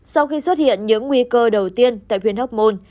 sau khi xuất hiện những nguy cơ đầu tiên tại huyện hóc môn